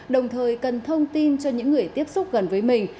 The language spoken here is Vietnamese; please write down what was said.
đồng thời cần thông tin cho những người tiếp xúc gần với mình